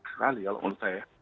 sekali kalau menurut saya